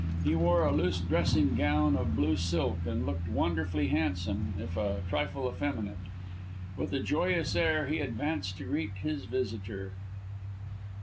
He wore a loose dressing gown of blue silk, and looked wonderfully handsome, if a trifle effeminate. With a joyous air he advanced to greet his visitor.